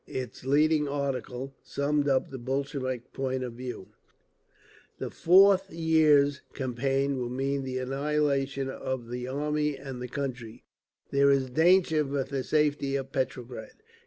_ Its leading article summed up the Bolshevik point of view: The fourth year's campaign will mean the annihilation of the army and the country…. There is danger for the safety of Petrograd….